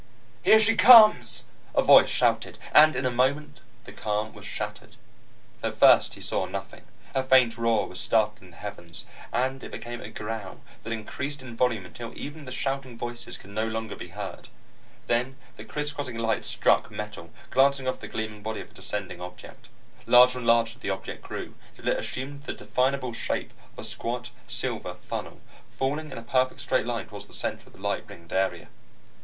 "Here she comes!" a voice shouted. And in a moment, the calm was shattered. At first, he saw nothing. A faint roar was started in the heavens, and it became a growl that increased in volume until even the shouting voices could no longer be heard. Then the crisscrossing lights struck metal, glancing off the gleaming body of a descending object. Larger and larger the object grew, until it assumed the definable shape of a squat silver funnel, falling in a perfect straight line towards the center of the light ringed area.